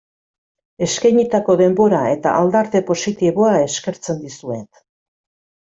Eskainitako denbora eta aldarte positiboa eskertzen dizuet.